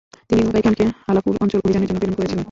তিনি নোগাই খানকে হালাকুর অঞ্চলে অভিযানের জন্য প্রেরণ করেছিলেন।